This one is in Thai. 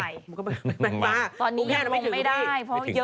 มันก็ไม่มากตอนนี้ยังไม่ถึงเลย